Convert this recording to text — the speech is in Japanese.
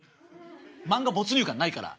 漫画没入感ないから。